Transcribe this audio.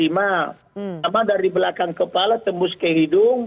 pertama dari belakang kepala tembus ke hidung